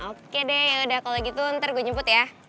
oke deh yaudah kalo gitu ntar gue jemput ya